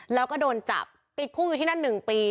แล้วก็โดนจับติดคุกอยู่ที่นั่น๑ปี